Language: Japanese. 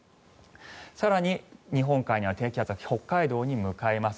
更に日本海にある低気圧が北海道に向かいます。